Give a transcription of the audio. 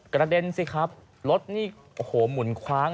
กระเด็นสิครับรถนี่โอ้โหหมุนคว้าง